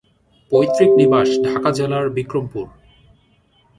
পৈতৃক নিবাস ঢাকা জেলার বিক্রমপুর।